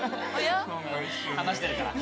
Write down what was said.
話してるから。